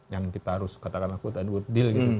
yang kita harus katakan akut dan deal gitu